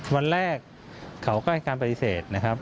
วันแรกเขาก็ให้การปฏิเสธนะครับ